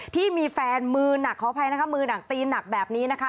ที่มีแฟนมือหนักขออภัยนะคะมือหนักตีหนักแบบนี้นะคะ